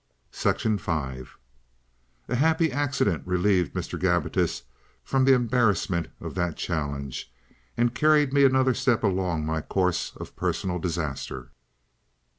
§ 5 A happy accident relieved Mr. Gabbitas from the embarrassment of that challenge, and carried me another step along my course of personal disaster.